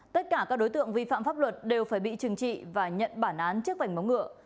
tất cả các đối tượng vi phạm pháp luật đều phải bị trừng trị và nhận bản án trước vảnh móng ngựa